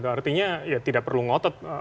artinya tidak perlu ngotot